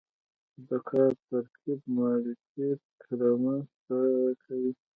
د کار ترکیب مالکیت رامنځته کوي.